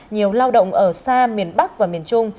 nhiều lao động ở xa miền bắc và miền trung